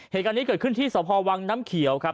เหตุการณ์นี้เกิดขึ้นที่สพวังน้ำเขียวครับ